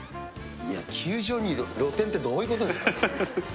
いや、球場に露天ってどういうことですか。